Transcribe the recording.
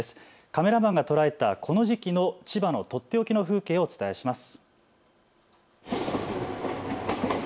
カメラマンが捉えたこの時期の千葉のとっておきの風景をお伝えします。